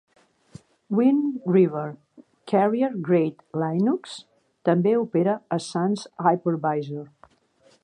Wind River "Carrier Grade Linux" també opera a Sun's Hypervisor.